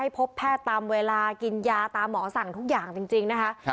พบแพทย์ตามเวลากินยาตามหมอสั่งทุกอย่างจริงนะคะ